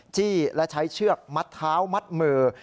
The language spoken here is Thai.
และใช้เชือกมัดเท้ามัดมือ